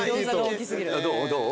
どう？